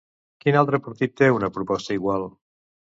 Quin altre partit té una proposta igual?